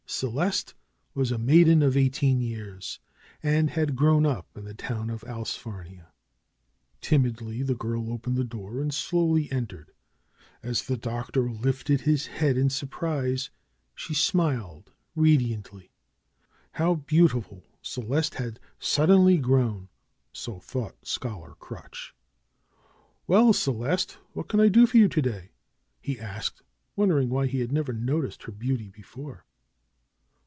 Celeste was a maiden of eighteen years, and had grown up in the town of Allsfarnia. Timidly the girl opened the door and slowly entered. As the Doctor lifted his head in surprise she smiled radiantly. How beautiful Celeste had suddenly grown! So thought Scholar Crutch. '^Well, Celeste! What can I do for you to day?" he asked, wondering why he had never noticed her beauty before.